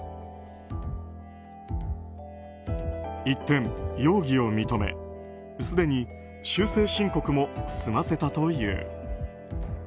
一転、容疑を認めすでに修正申告も済ませたという。